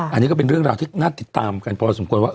อันนี้ก็เป็นเรื่องราวที่น่าติดตามกันพอสมควรว่า